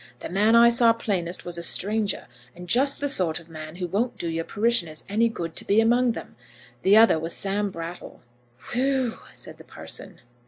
The man I saw plainest was a stranger, and just the sort of man who won't do your parishioners any good to be among them. The other was Sam Brattle." "Whew w w," said the parson.